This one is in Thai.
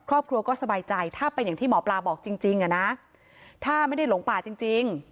ครอบครัวก็สบายใจถ้าเป็นอย่างที่หมอปลาบอกจริงจริงอ่ะนะถ้าไม่ได้หลงป่าจริง